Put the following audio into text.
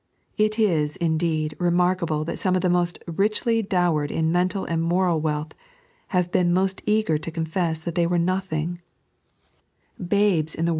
It is, indeed, remarkable that some of the most richly dowered in mental and moral wealth have been most eager to confess that they were nothing — babes in the world of 3.